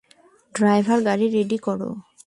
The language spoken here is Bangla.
ড্রাইভার, গাড়ি রেডি করো।